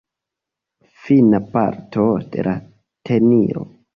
Fina parto de la tenilo.